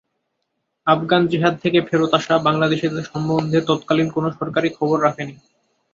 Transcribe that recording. আফগান জিহাদ থেকে ফেরত আসা বাংলাদেশিদের সম্বন্ধে তৎকালীন কোনো সরকারই খবর রাখেনি।